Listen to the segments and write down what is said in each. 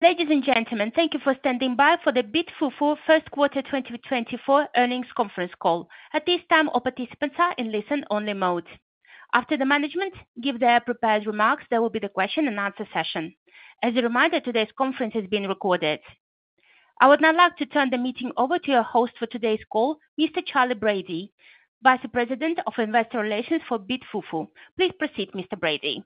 Ladies and gentlemen, thank you for standing by for the BitFuFu first quarter 2024 earnings conference call. At this time, all participants are in listen-only mode. After the management give their prepared remarks, there will be the question and answer session. As a reminder, today's conference is being recorded. I would now like to turn the meeting over to your host for today's call, Mr. Charley Brady, Vice President of Investor Relations for BitFuFu. Please proceed, Mr. Brady.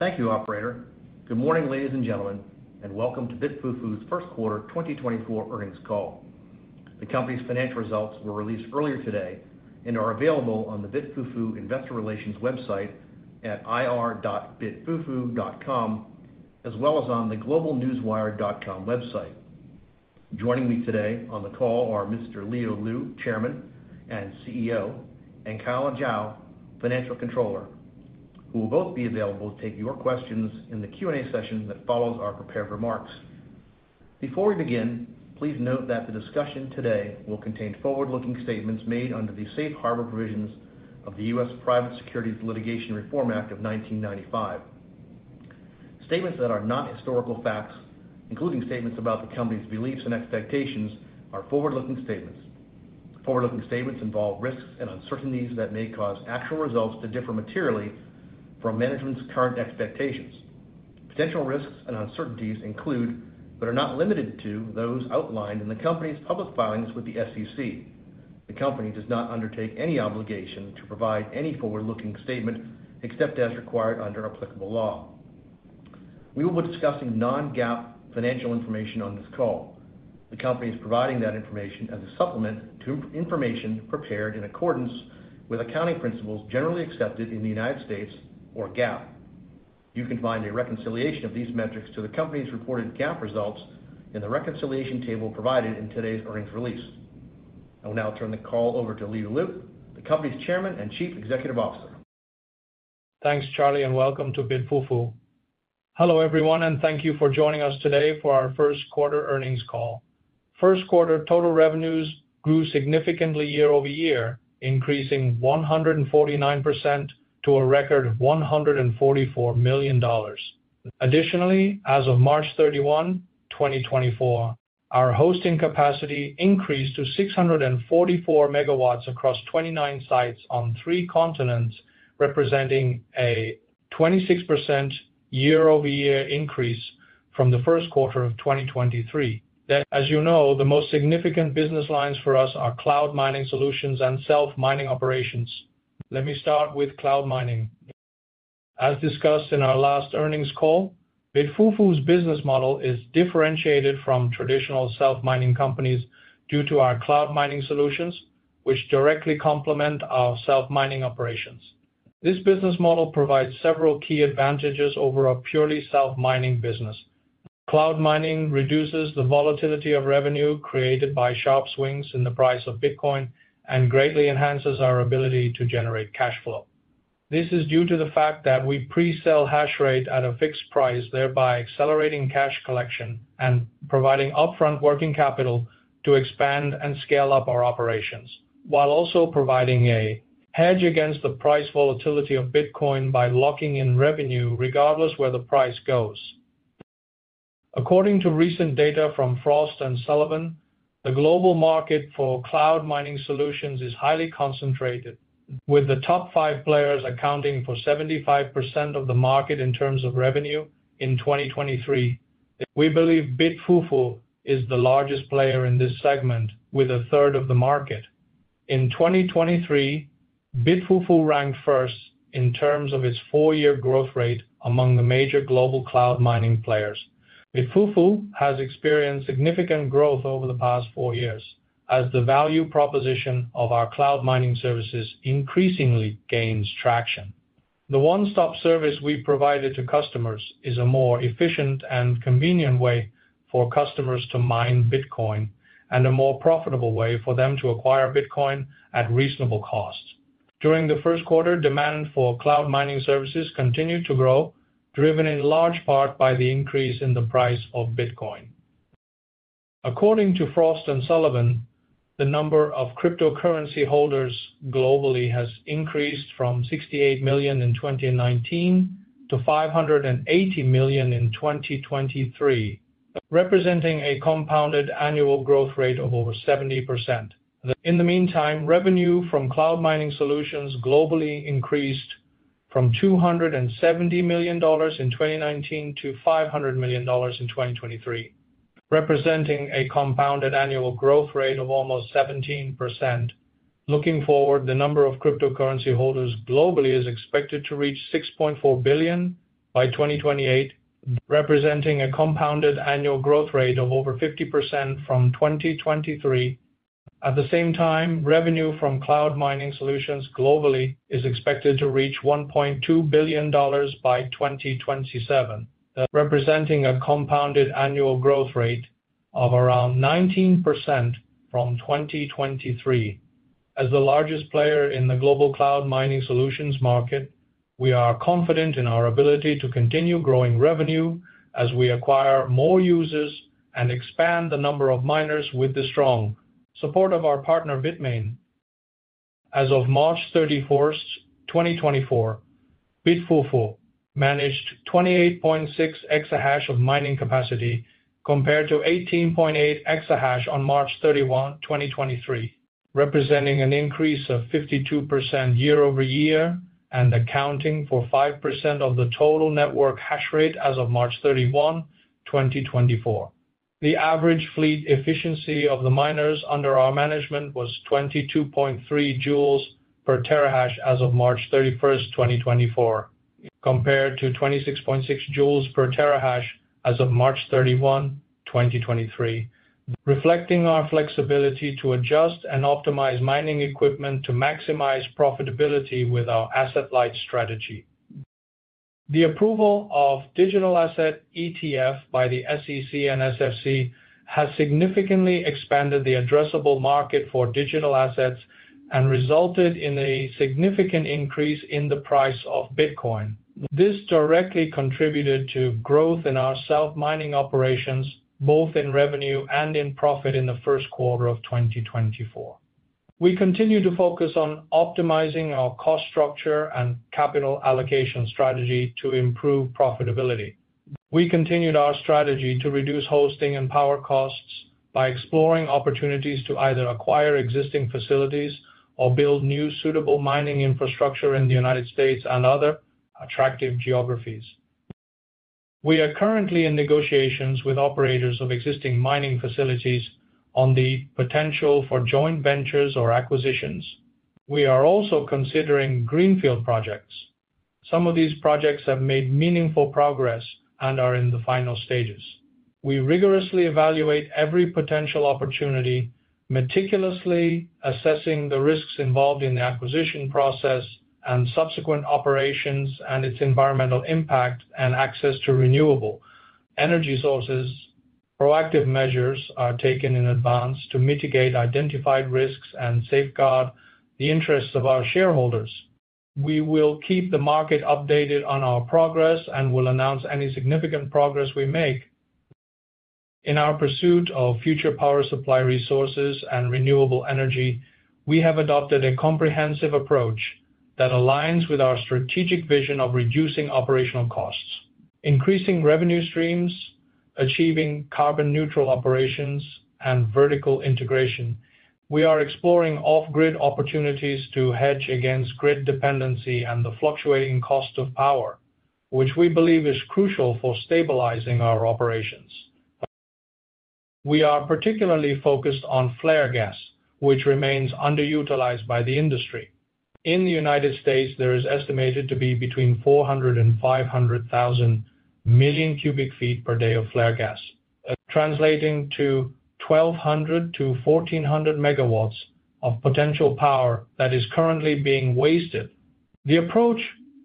Thank you, operator. Good morning, ladies and gentlemen, and welcome to BitFuFu's first quarter 2024 earnings call. The company's financial results were released earlier today and are available on the BitFuFu investor relations website at ir.bitfufu.com, as well as on the GlobeNewswire.com website. Joining me today on the call are Mr. Leo Lu, Chairman and CEO, and Calla Zhao, Financial Controller, who will both be available to take your questions in the Q&A session that follows our prepared remarks. Before we begin, please note that the discussion today will contain forward-looking statements made under the Safe Harbor Provisions of the U.S. Private Securities Litigation Reform Act of 1995. Statements that are not historical facts, including statements about the company's beliefs and expectations, are forward-looking statements. Forward-looking statements involve risks and uncertainties that may cause actual results to differ materially from management's current expectations. Potential risks and uncertainties include, but are not limited to, those outlined in the company's public filings with the SEC. The company does not undertake any obligation to provide any forward-looking statement except as required under applicable law. We will be discussing Non-GAAP financial information on this call. The company is providing that information as a supplement to information prepared in accordance with accounting principles generally accepted in the United States or GAAP. You can find a reconciliation of these metrics to the company's reported GAAP results in the reconciliation table provided in today's earnings release. I will now turn the call over to Leo Lu, the company's Chairman and Chief Executive Officer. Thanks, Charley, and welcome to BitFuFu. Hello, everyone, and thank you for joining us today for our first quarter earnings call. First quarter total revenues grew significantly year-over-year, increasing 149% to a record of $144 million. Additionally, as of March 31, 2024, our hosting capacity increased to 644 MW across 29 sites on three continents, representing a 26% year-over-year increase from the first quarter of 2023. That, as you know, the most significant business lines for us are cloud mining solutions and self-mining operations. Let me start with cloud mining. As discussed in our last earnings call, BitFuFu's business model is differentiated from traditional self-mining companies due to our cloud mining solutions, which directly complement our self-mining operations. This business model provides several key advantages over a purely self-mining business. Cloud mining reduces the volatility of revenue created by sharp swings in the price of Bitcoin and greatly enhances our ability to generate cash flow. This is due to the fact that we pre-sell hash rate at a fixed price, thereby accelerating cash collection and providing upfront working capital to expand and scale up our operations, while also providing a hedge against the price volatility of Bitcoin by locking in revenue regardless of where the price goes. According to recent data from Frost & Sullivan, the global market for cloud mining solutions is highly concentrated, with the top five players accounting for 75% of the market in terms of revenue in 2023. We believe BitFuFu is the largest player in this segment, with a third of the market. In 2023, BitFuFu ranked first in terms of its four-year growth rate among the major global cloud mining players. BitFuFu has experienced significant growth over the past 4 years as the value proposition of our cloud mining services increasingly gains traction. The one-stop service we provided to customers is a more efficient and convenient way for customers to mine Bitcoin and a more profitable way for them to acquire Bitcoin at reasonable costs. During the first quarter, demand for cloud mining services continued to grow, driven in large part by the increase in the price of Bitcoin. According to Frost & Sullivan, the number of cryptocurrency holders globally has increased from 68 million in 2019 to 580 million in 2023, representing a compounded annual growth rate of over 70%. In the meantime, revenue from cloud mining solutions globally increased from $270 million in 2019 to $500 million in 2023, representing a compounded annual growth rate of almost 17%. Looking forward, the number of cryptocurrency holders globally is expected to reach 6.4 billion by 2028, representing a compounded annual growth rate of over 50% from 2023. At the same time, revenue from cloud mining solutions globally is expected to reach $1.2 billion by 2027, representing a compounded annual growth rate of around 19% from 2023. As the largest player in the global cloud mining solutions market, we are confident in our ability to continue growing revenue as we acquire more users and expand the number of miners with the strong support of our partner, Bitmain.... As of March 31, 2024, BitFuFu managed 28.6 exahash of mining capacity, compared to 18.8 exahash on March 31, 2023, representing an increase of 52% year-over-year and accounting for 5% of the total network hash rate as of March 31, 2024. The average fleet efficiency of the miners under our management was 22.3 joules per terahash as of March 31, 2024, compared to 26.6 joules per terahash as of March 31, 2023, reflecting our flexibility to adjust and optimize mining equipment to maximize profitability with our asset-light strategy. The approval of digital asset ETF by the SEC and SFC has significantly expanded the addressable market for digital assets and resulted in a significant increase in the price of Bitcoin. This directly contributed to growth in our self-mining operations, both in revenue and in profit in the first quarter of 2024. We continue to focus on optimizing our cost structure and capital allocation strategy to improve profitability. We continued our strategy to reduce hosting and power costs by exploring opportunities to either acquire existing facilities or build new suitable mining infrastructure in the United States and other attractive geographies. We are currently in negotiations with operators of existing mining facilities on the potential for joint ventures or acquisitions. We are also considering greenfield projects. Some of these projects have made meaningful progress and are in the final stages. We rigorously evaluate every potential opportunity, meticulously assessing the risks involved in the acquisition process and subsequent operations, and its environmental impact and access to renewable energy sources. Proactive measures are taken in advance to mitigate identified risks and safeguard the interests of our shareholders. We will keep the market updated on our progress and will announce any significant progress we make. In our pursuit of future power supply resources and renewable energy, we have adopted a comprehensive approach that aligns with our strategic vision of reducing operational costs, increasing revenue streams, achieving carbon-neutral operations, and vertical integration. We are exploring off-grid opportunities to hedge against grid dependency and the fluctuating cost of power, which we believe is crucial for stabilizing our operations. We are particularly focused on flare gas, which remains underutilized by the industry. In the United States, there is estimated to be between 400 and 500 thousand million cubic feet per day of flare gas, translating to 1,200-1,400 MW of potential power that is currently being wasted. The approach,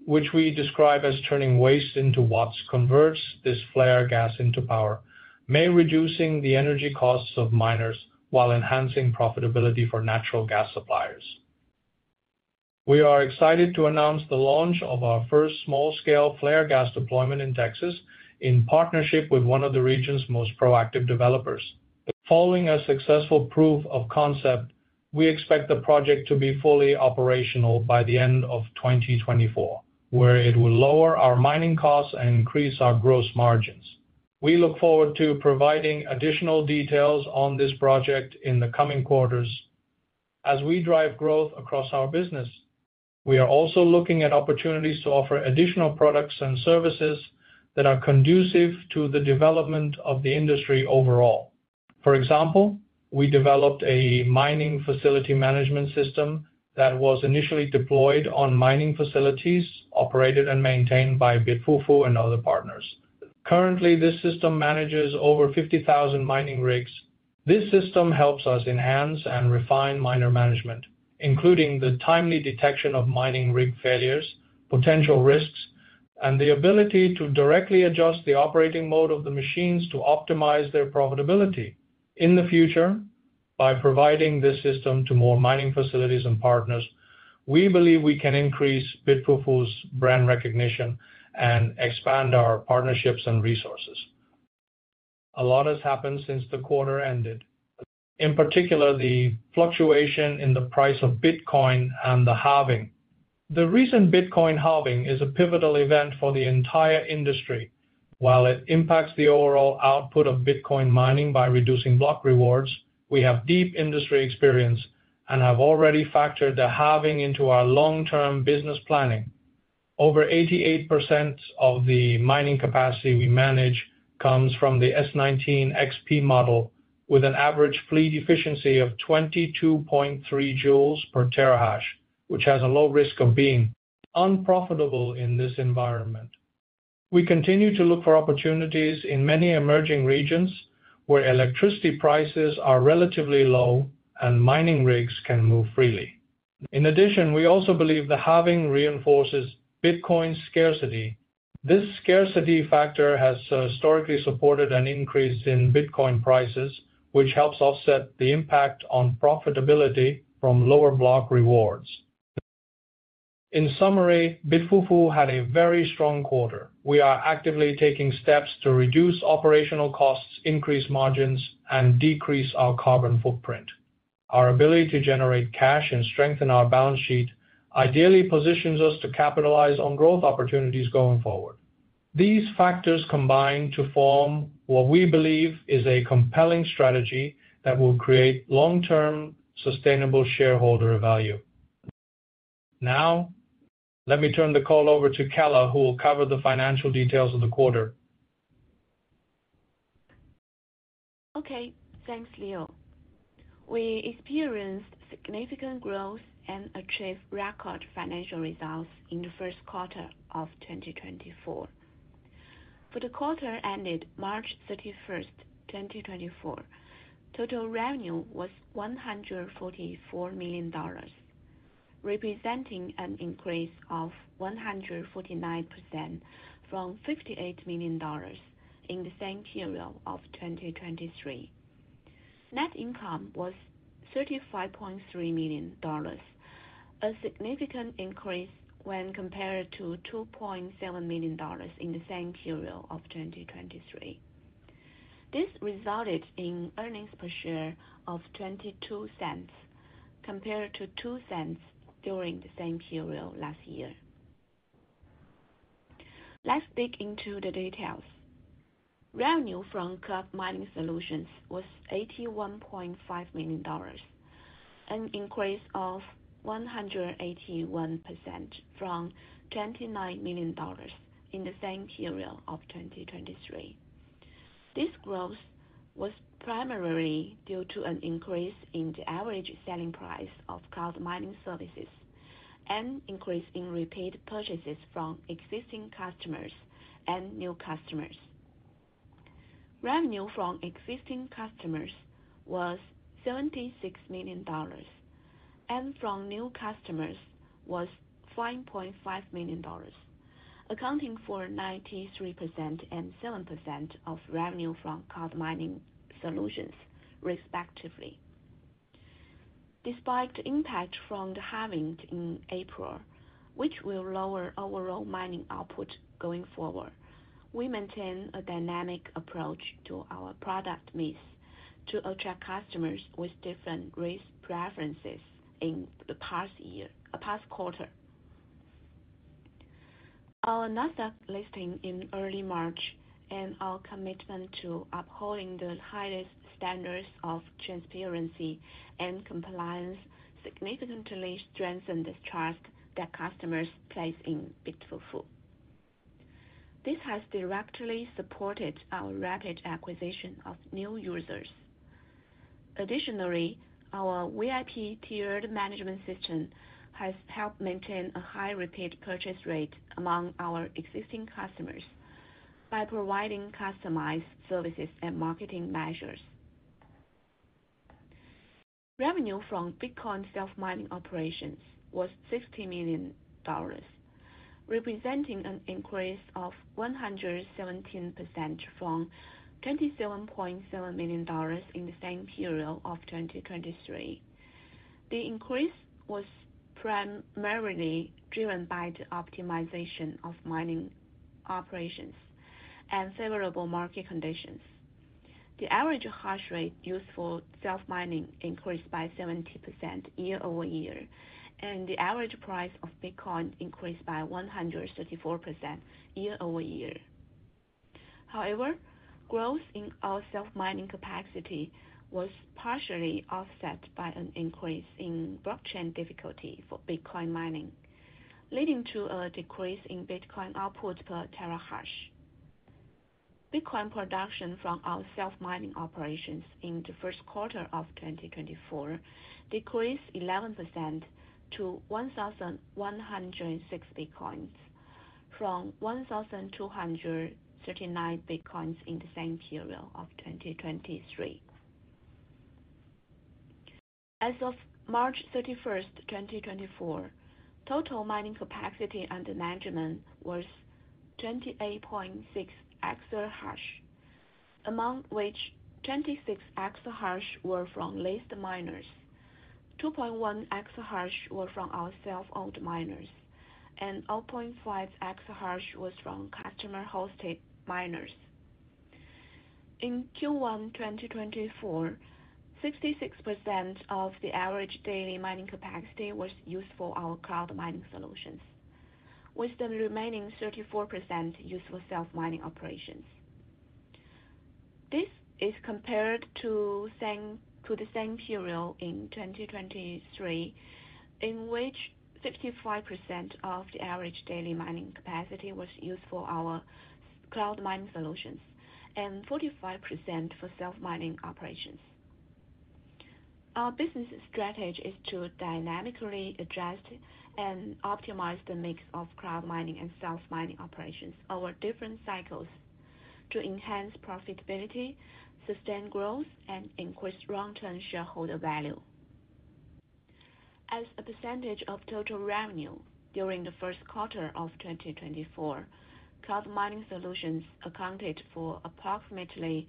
which we describe as turning waste into watts, converts this flare gas into power, may reducing the energy costs of miners while enhancing profitability for natural gas suppliers. We are excited to announce the launch of our first small-scale flare gas deployment in Texas, in partnership with one of the region's most proactive developers. Following a successful proof of concept, we expect the project to be fully operational by the end of 2024, where it will lower our mining costs and increase our gross margins. We look forward to providing additional details on this project in the coming quarters. As we drive growth across our business, we are also looking at opportunities to offer additional products and services that are conducive to the development of the industry overall. For example, we developed a mining facility management system that was initially deployed on mining facilities operated and maintained by BitFuFu and other partners. Currently, this system manages over 50,000 mining rigs. This system helps us enhance and refine miner management, including the timely detection of mining rig failures, potential risks, and the ability to directly adjust the operating mode of the machines to optimize their profitability. In the future, by providing this system to more mining facilities and partners, we believe we can increase BitFuFu's brand recognition and expand our partnerships and resources. A lot has happened since the quarter ended, in particular, the fluctuation in the price of Bitcoin and the halving. The recent Bitcoin halving is a pivotal event for the entire industry. While it impacts the overall output of Bitcoin mining by reducing block rewards, we have deep industry experience and have already factored the halving into our long-term business planning. Over 88% of the mining capacity we manage comes from the S19 XP model, with an average fleet efficiency of 22.3 joules per terahash, which has a low risk of being unprofitable in this environment. We continue to look for opportunities in many emerging regions where electricity prices are relatively low and mining rigs can move freely. In addition, we also believe the halving reinforces Bitcoin's scarcity. This scarcity factor has historically supported an increase in Bitcoin prices, which helps offset the impact on profitability from lower block rewards. In summary, BitFuFu had a very strong quarter. We are actively taking steps to reduce operational costs, increase margins, and decrease our carbon footprint. Our ability to generate cash and strengthen our balance sheet ideally positions us to capitalize on growth opportunities going forward. These factors combine to form what we believe is a compelling strategy that will create long-term sustainable shareholder value. Now, let me turn the call over to Calla, who will cover the financial details of the quarter. Okay, thanks, Leo. We experienced significant growth and achieved record financial results in the first quarter of 2024. For the quarter ended March 31st, 2024, total revenue was $144 million, representing an increase of 149% from $58 million in the same period of 2023. Net income was $35.3 million, a significant increase when compared to $2.7 million in the same period of 2023. This resulted in earnings per share of $0.22, compared to $0.02 during the same period last year. Let's dig into the details. Revenue from cloud mining solutions was $81.5 million, an increase of 181% from $29 million in the same period of 2023. This growth was primarily due to an increase in the average selling price of cloud mining services and increase in repeat purchases from existing customers and new customers. Revenue from existing customers was $76 million, and from new customers was $5.5 million, accounting for 93% and 7% of revenue from cloud mining solutions, respectively. Despite the impact from the halving in April, which will lower overall mining output going forward, we maintain a dynamic approach to our product mix to attract customers with different risk preferences in the past year, past quarter. Our Nasdaq listing in early March, and our commitment to upholding the highest standards of transparency and compliance, significantly strengthened the trust that customers place in BitFuFu. This has directly supported our rapid acquisition of new users. Additionally, our VIP tiered management system has helped maintain a high repeat purchase rate among our existing customers by providing customized services and marketing measures. Revenue from Bitcoin self-mining operations was $60 million, representing an increase of 117% from $27.7 million in the same period of 2023. The increase was primarily driven by the optimization of mining operations and favorable market conditions. The average hash rate used for self-mining increased by 70% year-over-year, and the average price of Bitcoin increased by 134% year-over-year. However, growth in our self-mining capacity was partially offset by an increase in blockchain difficulty for Bitcoin mining, leading to a decrease in Bitcoin output per terahash. Bitcoin production from our self-mining operations in the first quarter of 2024 decreased 11% to 1,106 Bitcoins, from 1,239 Bitcoins in the same period of 2023. As of March 31, 2024, total mining capacity under management was 28.6 exahash, among which 26 exahash were from leased miners, 2.1 exahash were from our self-owned miners, and 0.5 exahash was from customer-hosted miners. In Q1 2024, 66% of the average daily mining capacity was used for our cloud mining solutions, with the remaining 34% used for self-mining operations. This is compared to the same period in 2023, in which 55% of the average daily mining capacity was used for our cloud mining solutions, and 45% for self-mining operations. Our business strategy is to dynamically adjust and optimize the mix of cloud mining and self-mining operations over different cycles to enhance profitability, sustain growth, and increase long-term shareholder value. As a percentage of total revenue during the first quarter of 2024, cloud mining solutions accounted for approximately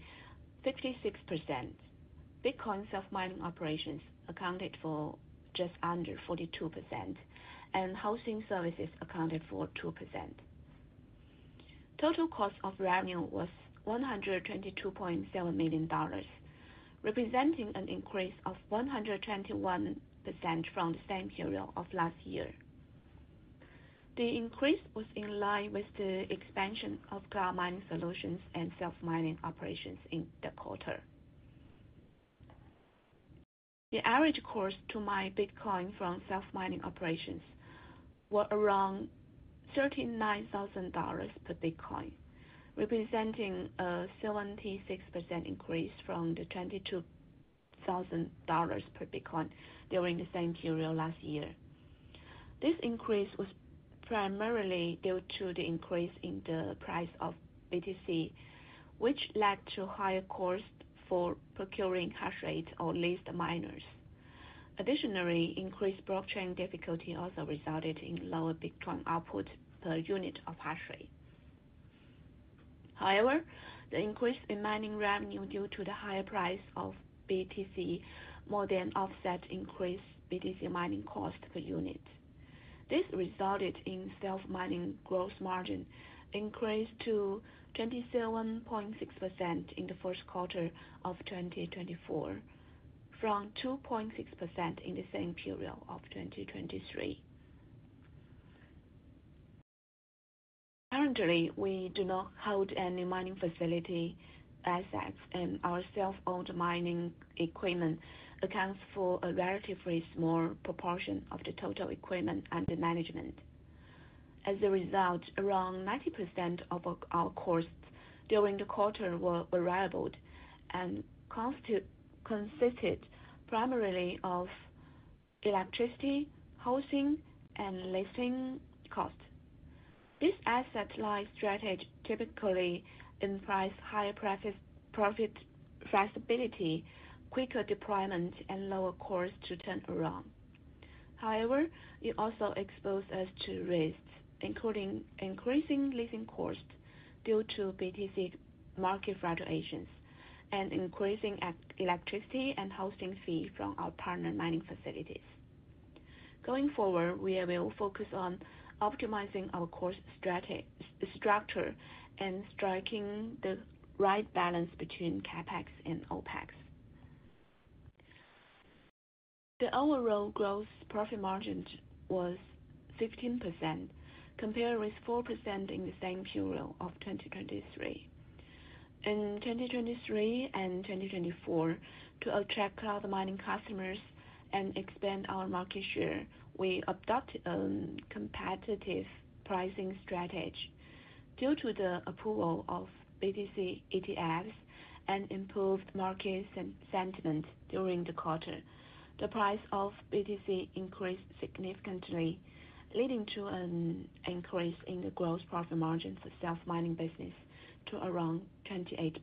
66%.... Bitcoin self-mining operations accounted for just under 42%, and hosting services accounted for 2%. Total cost of revenue was $122.7 million, representing an increase of 121% from the same period of last year. The increase was in line with the expansion of cloud mining solutions and self-mining operations in the quarter. The average cost to mine Bitcoin from self-mining operations were around $39,000 per Bitcoin, representing a 76% increase from the $22,000 per Bitcoin during the same period last year. This increase was primarily due to the increase in the price of BTC, which led to higher costs for procuring hash rates or leased miners. Additionally, increased blockchain difficulty also resulted in lower Bitcoin output per unit of hash rate. However, the increase in mining revenue due to the higher price of BTC more than offset increased BTC mining cost per unit. This resulted in self-mining gross margin increased to 27.6% in the first quarter of 2024, from 2.6% in the same period of 2023. Currently, we do not hold any mining facility assets, and our self-owned mining equipment accounts for a relatively small proportion of the total equipment under management. As a result, around 90% of our costs during the quarter were variable and consisted primarily of electricity, hosting, and leasing costs. This asset-light strategy typically implies higher profit flexibility, quicker deployment, and lower costs to turn around. However, it also exposes us to risks, including increasing leasing costs due to BTC market fluctuations and increasing electricity and hosting fees from our partner mining facilities. Going forward, we will focus on optimizing our cost structure and striking the right balance between CapEx and OpEx. The overall gross profit margin was 15%, compared with 4% in the same period of 2023. In 2023 and 2024, to attract cloud mining customers and expand our market share, we adopted a competitive pricing strategy. Due to the approval of BTC ETFs and improved market sentiment during the quarter, the price of BTC increased significantly, leading to an increase in the gross profit margins of self-mining business to around 28%.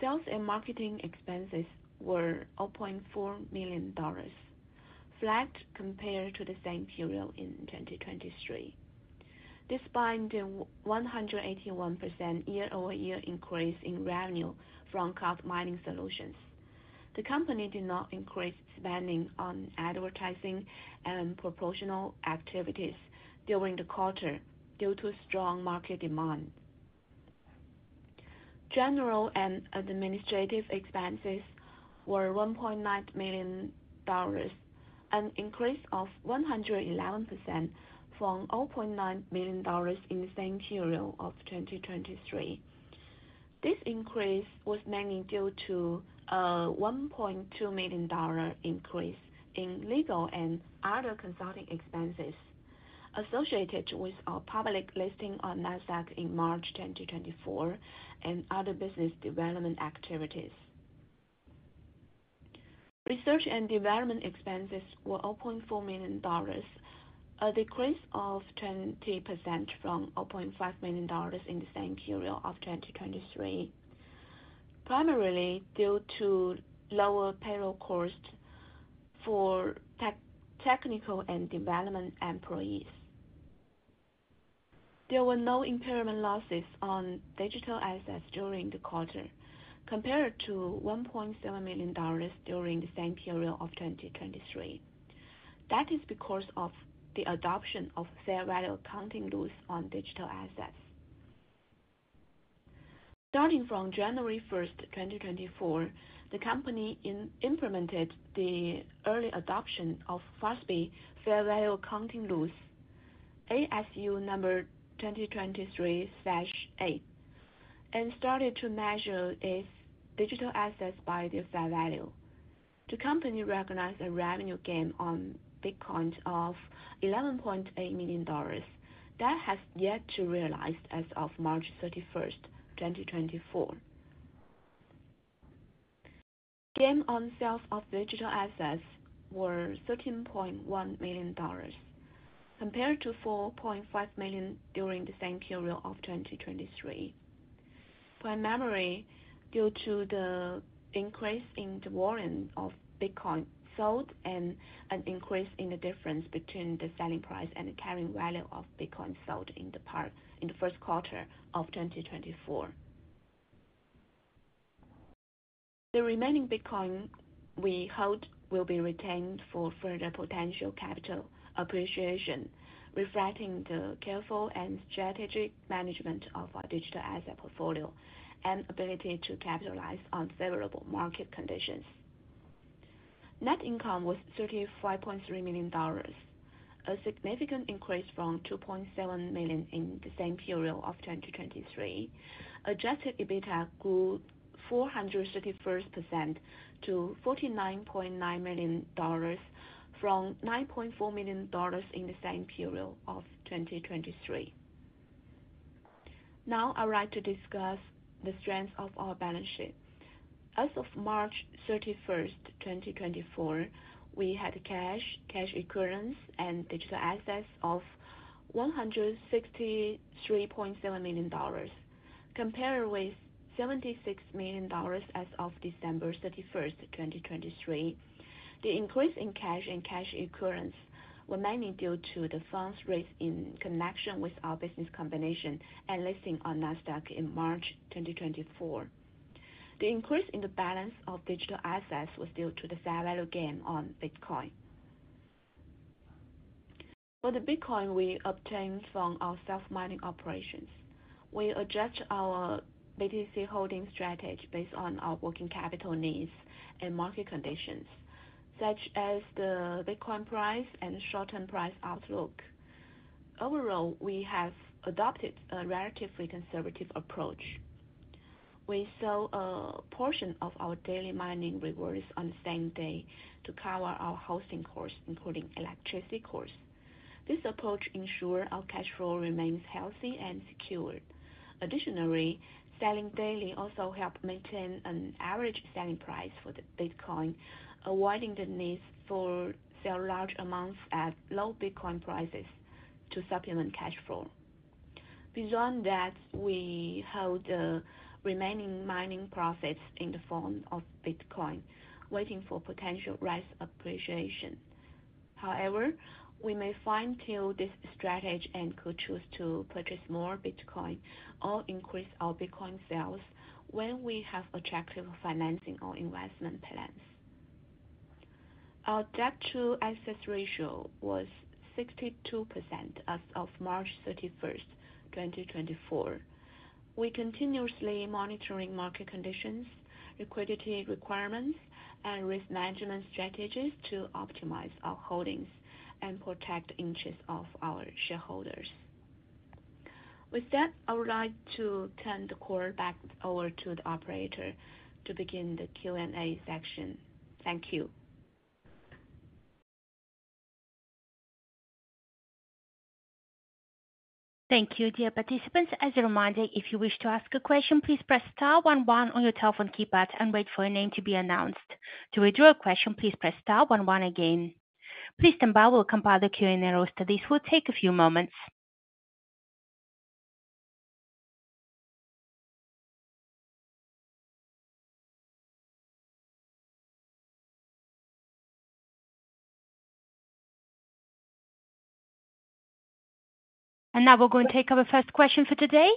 Sales and marketing expenses were $0.4 million, flat compared to the same period in 2023. Despite the 181% year-over-year increase in revenue from cloud mining solutions, the company did not increase spending on advertising and proportional activities during the quarter due to strong market demand. General and administrative expenses were $1.9 million, an increase of 111% from $0.9 million in the same period of 2023. This increase was mainly due to a $1.2 million increase in legal and other consulting expenses associated with our public listing on Nasdaq in March 2024 and other business development activities. Research and development expenses were $0.4 million, a decrease of 20% from $0.5 million in the same period of 2023, primarily due to lower payroll costs for technical and development employees. There were no impairment losses on digital assets during the quarter, compared to $1.7 million during the same period of 2023. That is because of the adoption of fair value accounting loss on digital assets. Starting from January 1, 2024, the company implemented the early adoption of FASB fair value accounting rules, ASU 2023-08, and started to measure its digital assets by their fair value. The company recognized a revenue gain on Bitcoin of $11.8 million. That has yet to be realized as of March 31, 2024. Gain on sales of digital assets was $13.1 million, compared to $4.5 million during the same period of 2023, primarily due to the increase in the volume of Bitcoin sold and an increase in the difference between the selling price and the carrying value of Bitcoin sold in part, in the first quarter of 2024. The remaining Bitcoin we hold will be retained for further potential capital appreciation, reflecting the careful and strategic management of our digital asset portfolio and ability to capitalize on favorable market conditions. Net income was $35.3 million, a significant increase from $2.7 million in the same period of 2023. Adjusted EBITDA grew 431% to $49.9 million from $9.4 million in the same period of 2023. Now I would like to discuss the strength of our balance sheet. As of March 31, 2024, we had cash, cash equivalents, and digital assets of $163.7 million, compared with $76 million as of December 31, 2023. The increase in cash and cash equivalents were mainly due to the funds raised in connection with our business combination and listing on Nasdaq in March 2024. The increase in the balance of digital assets was due to the fair value gain on Bitcoin. For the Bitcoin we obtained from our self-mining operations, we adjust our BTC holding strategy based on our working capital needs and market conditions, such as the Bitcoin price and short-term price outlook. Overall, we have adopted a relatively conservative approach. We sell a portion of our daily mining rewards on the same day to cover our hosting costs, including electricity costs. This approach ensures our cash flow remains healthy and secure. Additionally, selling daily also help maintain an average selling price for the Bitcoin, avoiding the need for sell large amounts at low Bitcoin prices to supplement cash flow. Beyond that, we hold the remaining mining profits in the form of Bitcoin, waiting for potential price appreciation. However, we may fine-tune this strategy and could choose to purchase more Bitcoin or increase our Bitcoin sales when we have attractive financing or investment plans. Our debt to assets ratio was 62% as of March 31, 2024. We continuously monitoring market conditions, liquidity requirements, and risk management strategies to optimize our holdings and protect the interest of our shareholders. With that, I would like to turn the call back over to the operator to begin the Q&A section. Thank you. Thank you, dear participants. As a reminder, if you wish to ask a question, please press star one one on your telephone keypad and wait for your name to be announced. To withdraw your question, please press star one one again. Please stand by, we'll compile the Q&A roster. This will take a few moments. Now we're going to take our first question for today.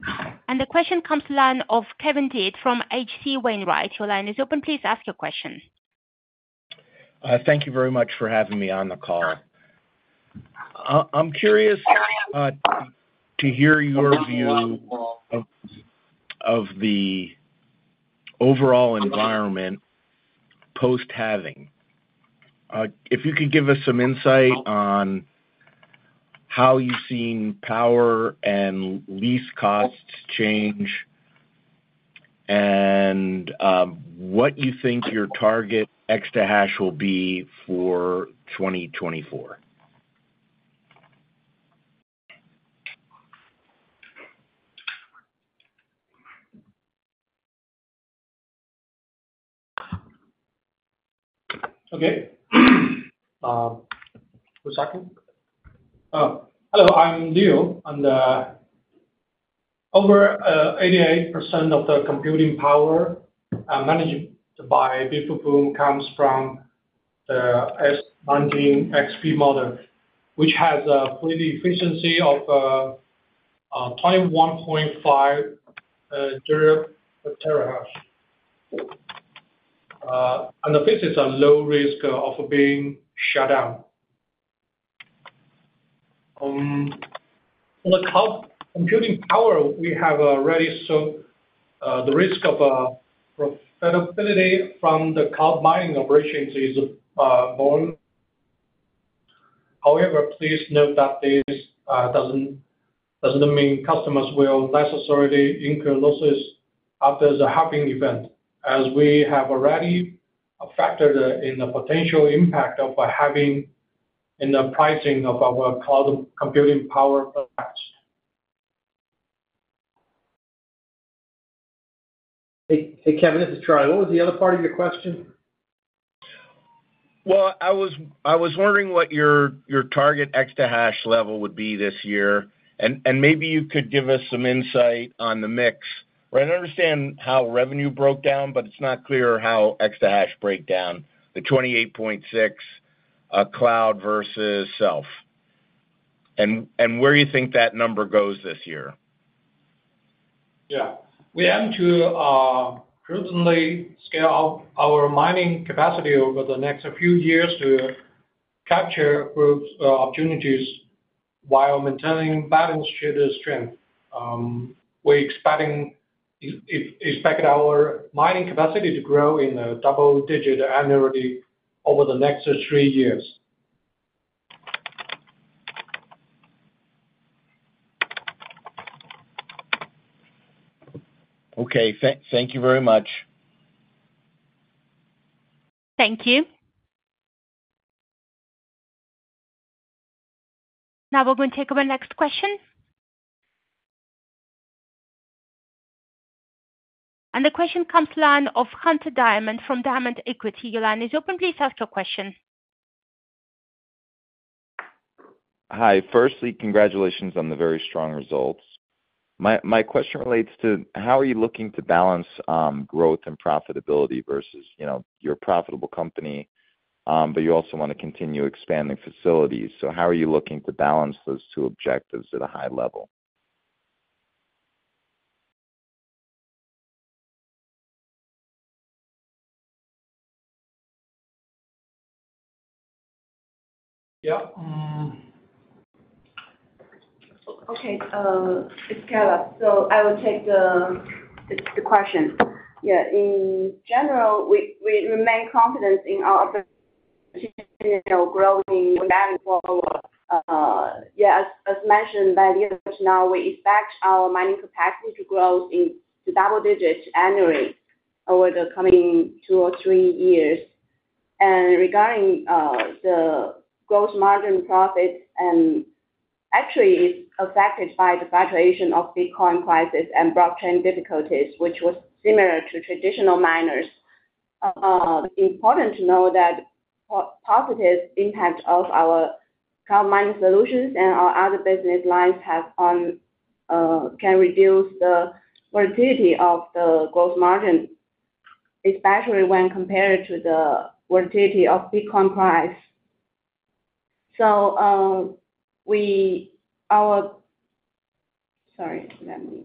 The question comes to line of Kevin Dede from H.C. Wainwright. Your line is open, please ask your question. Thank you very much for having me on the call. I'm curious to hear your view of the overall environment post-halving. If you could give us some insight on how you've seen power and lease costs change and what you think your target exahash will be for 2024? Okay. One second. Hello, I'm Leo, and over 88% of the computing power managed by BitFuFu comes from the S19 XP model, which has a power efficiency of 21.5 joules per terahash. And this is a low risk of being shut down. On the cloud computing power, we have already solved the risk of unprofitability from the cloud mining operations is borne. However, please note that this doesn't mean customers will necessarily incur losses after the halving event, as we have already factored in the potential impact of a halving in the pricing of our cloud computing power effects. Hey, hey, Kevin, this is Charley. What was the other part of your question? Well, I was wondering what your target exahash level would be this year, and maybe you could give us some insight on the mix. Right, I understand how revenue broke down, but it's not clear how exahash break down, the 28.6, cloud versus self.... And where you think that number goes this year? Yeah. We aim to presently scale up our mining capacity over the next few years to capture growth opportunities while maintaining balance sheet strength. We're expecting our mining capacity to grow in double digits annually over the next three years. Okay. Thank you very much. Thank you. Now we're going to take our next question. The question comes from the line of Hunter Diamond from Diamond Equity Research. Your line is open. Please ask your question. Hi. Firstly, congratulations on the very strong results. My question relates to: how are you looking to balance growth and profitability versus, you know, you're a profitable company, but you also want to continue expanding facilities. So how are you looking to balance those two objectives at a high level? Yeah. Um- Okay, it's Calla. So I will take the question. Yeah, in general, we remain confident in our opportunity for growing organically. Yeah, as mentioned by Charley, we expect our mining capacity to grow in the double digits annually over the coming 2 or 3 years. And regarding the gross margin profits and actually, it's affected by the fluctuation of Bitcoin prices and blockchain difficulties, which was similar to traditional miners. Important to know that positive impact of our cloud mining solutions and our other business lines have on can reduce the volatility of the gross margin, especially when compared to the volatility of Bitcoin price. So, we... Our... Sorry, let me...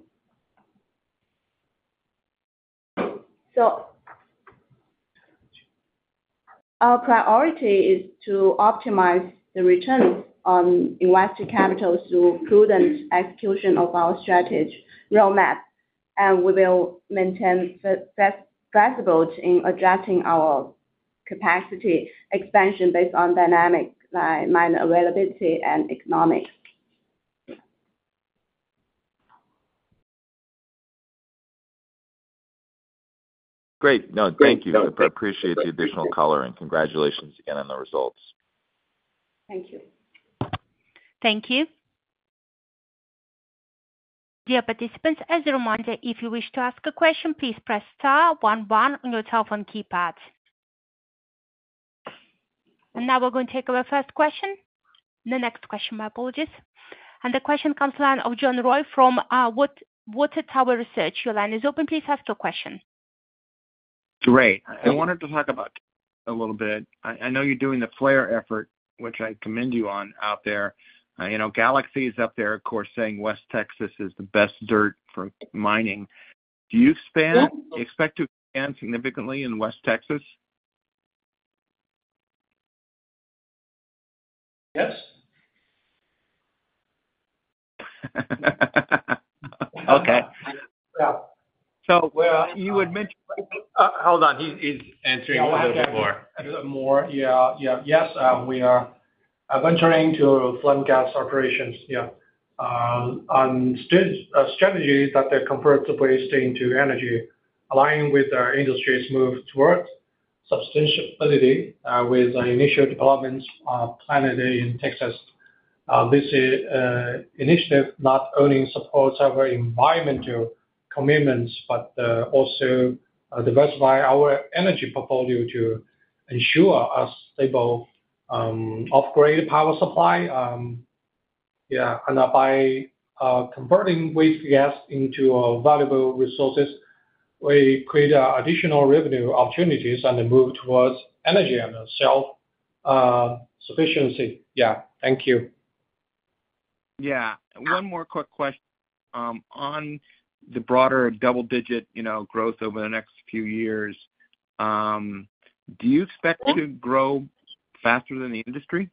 Our priority is to optimize the return on invested capital through prudent execution of our strategy roadmap, and we will maintain the flexible in adjusting our capacity expansion based on dynamic miner availability and economics. Great. No, thank you. I appreciate the additional color, and congratulations again on the results. Thank you. Thank you. Dear participants, as a reminder, if you wish to ask a question, please press star one one on your telephone keypad. And now we're going to take our first question. The next question, my apologies. And the question comes from the line of John Roy from Water Tower Research. Your line is open. Please ask your question. Great. I wanted to talk about a little bit. I know you're doing the flare effort, which I commend you on out there. You know, Galaxy is up there, of course, saying West Texas is the best dirt for mining. Do you span- Well- expect to span significantly in West Texas? Yes. Okay. Yeah. Well, you had mentioned. Hold on. He's, he's answering a little bit more. A little more. Yeah, yeah. Yes, we are venturing into flare gas operations. Yeah. Strategies that convert waste into energy, aligning with our industry's move towards sustainability, with the initial developments planned in Texas. This initiative not only supports our environmental commitments, but also diversify our energy portfolio to ensure a stable, upgraded power supply. Yeah, and by converting waste gas into valuable resources, we create additional revenue opportunities and a move towards energy and self-sufficiency. Yeah. Thank you. Yeah. One more quick question. On the broader double-digit, you know, growth over the next few years, do you expect to grow faster than the industry?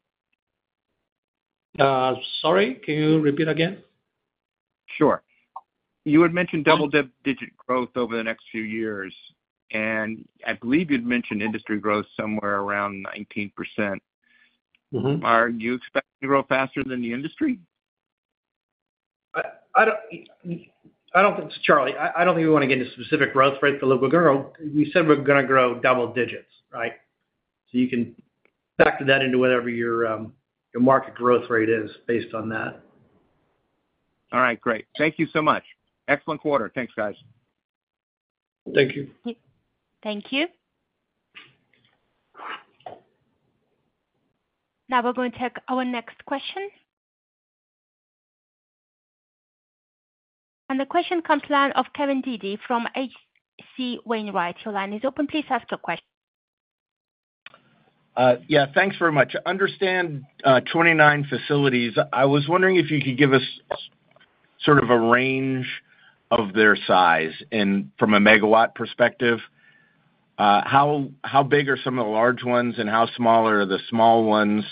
Sorry, can you repeat again? Sure. You had mentioned double-digit growth over the next few years, and I believe you'd mentioned industry growth somewhere around 19%. Mm-hmm. Are you expecting to grow faster than the industry? I don't think, Charley, we want to get into specific growth rate for Bitmain. We said we're gonna grow double digits, right? So you can factor that into whatever your market growth rate is based on that. All right, great. Thank you so much. Excellent quarter. Thanks, guys. Thank you. Thank you. Now we're going to take our next question. The question comes from the line of Kevin Dede from H.C. Wainwright. Your line is open. Please ask your question. Yeah, thanks very much. I understand 29 facilities. I was wondering if you could give us sort of a range of their size, and from a megawatt perspective, how big are some of the large ones, and how small are the small ones?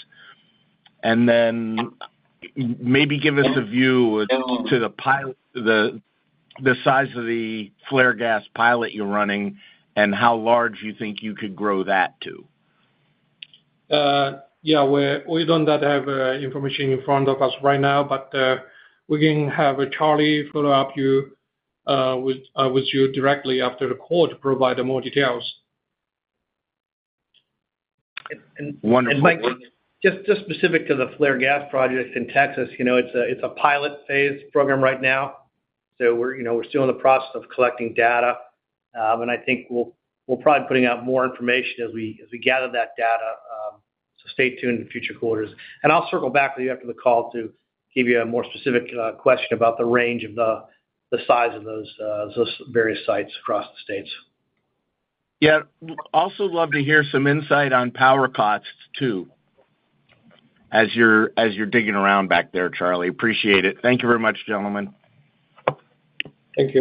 And then maybe give us a view to the pilot, the size of the flare gas pilot you're running and how large you think you could grow that to. Yeah, we don't have information in front of us right now, but we can have Charley follow up with you directly after the call to provide more details. Wonderful. And Kevin, just, just specific to the flare gas project in Texas, you know, it's a, it's a pilot phase program right now, so we're, you know, we're still in the process of collecting data. And I think we'll, we'll probably putting out more information as we, as we gather that data. So stay tuned in future quarters. And I'll circle back with you after the call to give you a more specific question about the range of the, the size of those, those various sites across the states. Yeah. Also love to hear some insight on power costs, too, as you're, as you're digging around back there, Charley. Appreciate it. Thank you very much, gentlemen. Thank you.